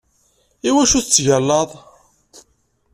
Iwacu tettgallaḍ?